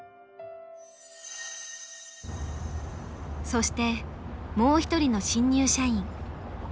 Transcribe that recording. そしてもう一人の新入社員。